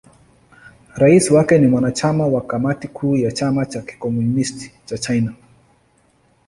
Rais wake ni mwanachama wa Kamati Kuu ya Chama cha Kikomunisti cha China.